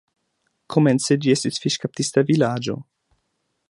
Komence ĝi estis fiŝkaptista vilaĝo.